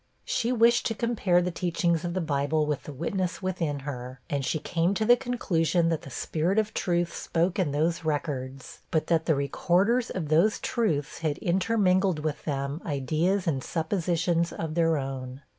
She wished to compare the teachings of the Bible with the witness within her; and she came to the conclusion, that the spirit of truth spoke in those records, but that the recorders of those truths had intermingled with them ideas and suppositions of their own.